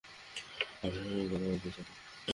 আপনার সাথে কথা বলতে চাই।